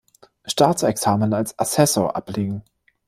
Staatsexamen als Assessor ablegen.